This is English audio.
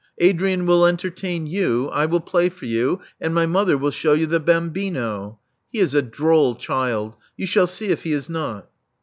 Adrian will entertain you; I will play for you; and my mother will shew you the bambino. He is a droll child — you shall see if he is not."